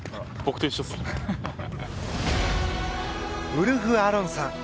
ウルフアロンさん。